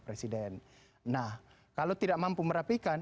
presiden nah kalau tidak mampu merapikan